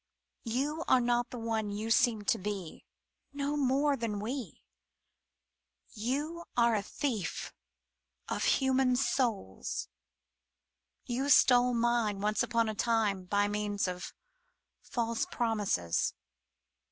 You are not the one you seem to be — no more than we! You are a thief of human souls ! You stole mine once upon a time by means of false promises.